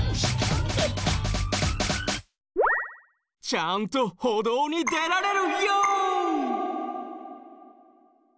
ちゃんと歩道に出られるよ！